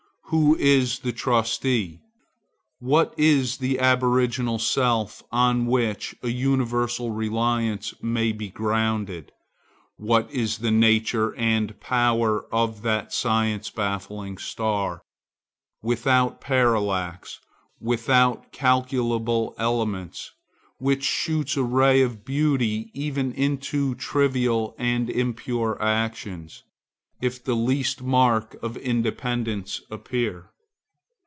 Who is the Trustee? What is the aboriginal Self, on which a universal reliance may be grounded? What is the nature and power of that science baffling star, without parallax, without calculable elements, which shoots a ray of beauty even into trivial and impure actions, if the least mark of independence appear?